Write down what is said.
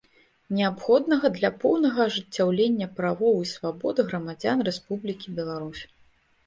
Неабходнага для поўнага ажыццяўлення правоў і свабод грамадзян Рэспублікі Беларусь.